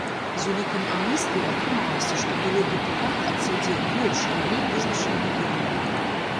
З улікам амністыі атрымалася, што былы дэпутат адседзеў больш раней вызначанага тэрміну.